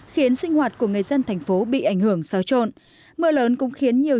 khiến sinh hoạt của người dân thành phố bị ảnh hưởng xáo trộn mưa lớn cũng khiến nhiều